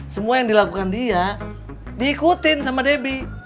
semua yang dilakukan dia diikutin sama debbie